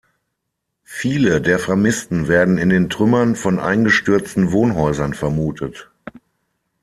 Viele der Vermissten werden in den Trümmern von eingestürzten Wohnhäusern vermutet.